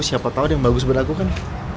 siapa tau ada yang bagus berlaku kan